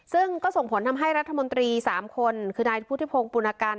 ซึ่งก็ส่งผลทำให้รัฐมนตรี๓คนคือนายพุทธิพงศ์ปุณกัน